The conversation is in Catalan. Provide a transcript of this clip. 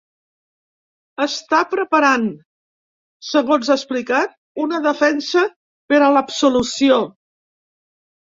Està preparant, segons ha explicat, una defensa ‘per a l’absolució’.